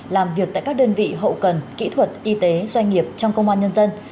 làm việc tại các đơn vị hậu cần kỹ thuật y tế doanh nghiệp trong công an nhân dân